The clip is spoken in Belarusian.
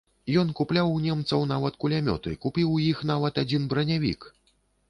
Ён купляў у немцаў нават кулямёты, купіў у іх нават адзін бранявік!